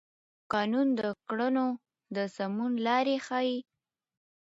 قانون د کړنو د سمون لار ښيي.